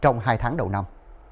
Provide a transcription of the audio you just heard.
trong hai tháng đầu năm